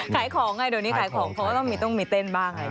ขายของไงเดี๋ยวนี้ขายของเขาก็ต้องมีเต้นบ้าง